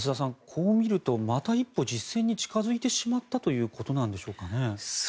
こう見ると、また一歩実戦に近付いてしまったということなんでしょうかね。